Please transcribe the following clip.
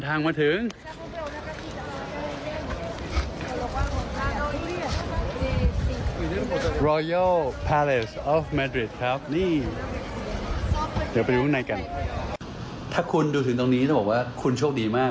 ถ้าคุณดูถึงตรงนี้ต้องบอกว่าคุณโชคดีมาก